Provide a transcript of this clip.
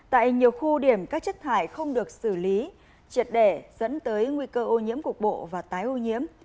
tại nhiều khu điểm các chất thải không được xử lý triệt để dẫn tới nguy cơ ô nhiễm cục bộ và tái ô nhiễm